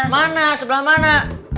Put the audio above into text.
mana sebelah mana